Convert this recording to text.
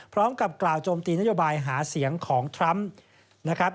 พร้อมกับกล่าวโจมตีนโยบายหาเสียงของทรัมป์นะครับ